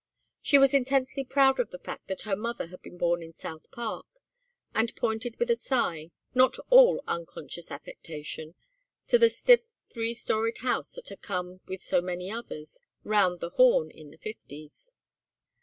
She was intensely proud of the fact that her mother had been born in South Park, and pointed with a sigh, not all unconscious affectation, to the stiff three storied house that had come, with so many others, "round the Horn" in the Fifties.